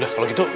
udah kalau gitu